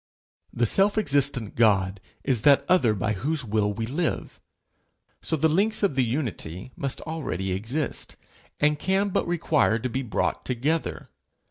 The self existent God is that other by whose will we live; so the links of the unity must already exist, and can but require to be brought together.